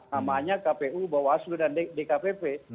namanya kpu bawaslu dan dkpp